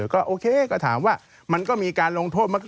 ก็โอเคก็ถามว่ามันก็มีการลงโทษ